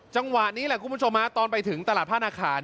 จังหวะนี้แหละคุณผู้ชมฮะตอนไปถึงตลาดผ้านาคาร